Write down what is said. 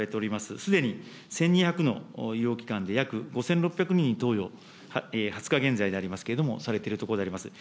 すでに１２００の医療機関で約５６００人に投与、２０日現在でありますけれども、されているところであります。